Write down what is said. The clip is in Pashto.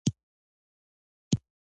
زه مې په خپل ورور باور لرم